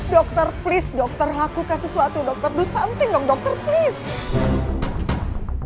dokter please dokter aku kasih suatu dokter do something dong dokter please